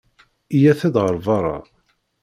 Iyyat-d ɣer beṛṛa.